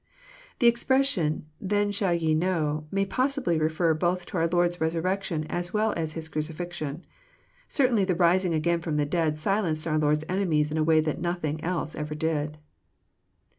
/; The expression "then ye shall know" may possibly refer both to our Lord's resurrection as well as his crucifixion. Certainly the rising again from the dead silenced our Lord's enemies in a way that nothing else ever did.